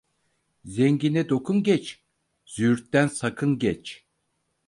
Zengine dokun geç, züğürtten sakın geç.